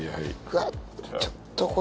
うわっちょっとこれ。